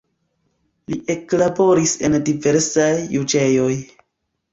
Li eklaboris en diversaj juĝejoj.